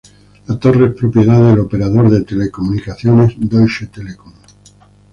La torre es propiedad del operador de telecomunicaciones Deutsche Telekom.